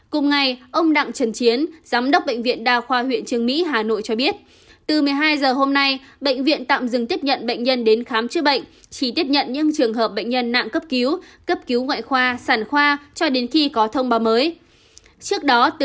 cùng ngày ông đặng trần chiến bệnh viện đa khoa huyện trường mỹ hà nội cho biết từ một mươi hai h hôm nay bệnh viện tạm dừng tiếp nhận bệnh nhân đến khám chữa bệnh chỉ tiếp nhận những trường hợp bệnh nhân nặng cấp cứu cấp cứu ngoại khoa sản khoa cho đến khi có thông báo mới